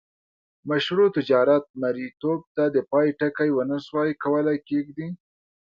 مشروع تجارت مریتوب ته د پای ټکی ونه سوای کولای کښيږدي.